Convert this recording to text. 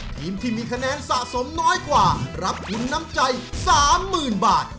ทีมที่มีคะแนนสะสมน้อยกว่ารับทุนน้ำใจ๓๐๐๐บาท